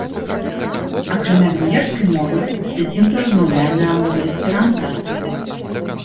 Акрамя венгерскай мовы, з дзяцінства размаўляе на мове эсперанта.